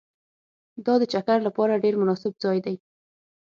دا د چکر لپاره ډېر مناسب ځای دی